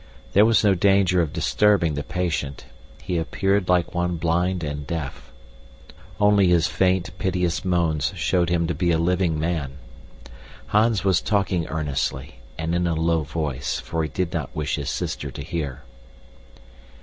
There was no danger of disturbing the patient. He appeared like one blind and deaf. Only his faint, piteous moans showed him to be a living man. Hans was talking earnestly, and in a low voice, for he did not wish his sister to hear.